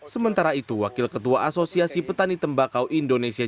sementara itu wakil ketua asosiasi petani tembakau indonesia